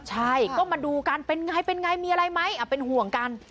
ใช่ก็มาดูกันเป็นไงเป็นไงมีอะไรไหมเป็นห่วงกัน